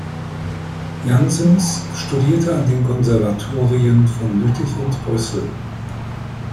Janssens studierte an den Konservatorien von Lüttich und Brüssel.